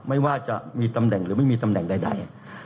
ไม่ว่าจะมีตำแหน่งหรือไม่มีตำแหน่งใด